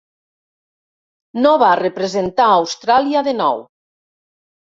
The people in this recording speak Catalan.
No va representar Austràlia de nou.